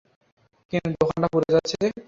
কিন্তু দোকানটা পুড়ে যাচ্ছে যে!